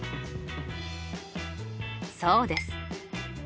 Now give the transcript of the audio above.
そうです。